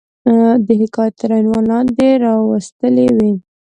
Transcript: د حکایت تر عنوان لاندي را وستلې وي.